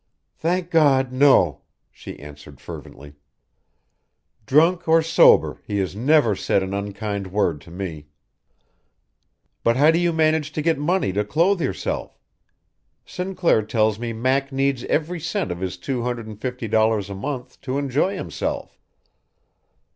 "Thank God, no," she answered fervently. "Drunk or sober, he has never said an unkind word to me." "But how do you manage to get money to clothe yourself? Sinclair tells me Mac needs every cent of his two hundred and fifty dollars a month to enjoy himself."